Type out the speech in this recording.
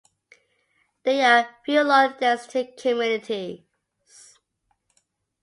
There are a few low-density communities.